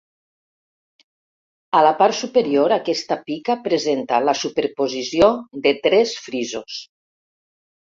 A la part superior aquesta pica presenta la superposició de tres frisos.